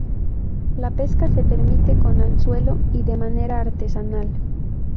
La pesca se permite con anzuelo y de manera artesanal.